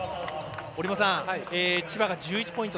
折茂さん、千葉が１１ポイント